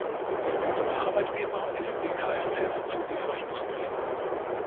Wichtigster Arbeitgeber ist die Kfz-Zulieferindustrie.